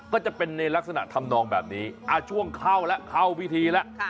ก็จะเป็นในลักษณะทำนองแบบนี้ช่วงเข้าแล้วเข้าพิธีแล้ว